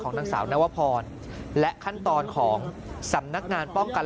นางสาวนวพรและขั้นตอนของสำนักงานป้องกัน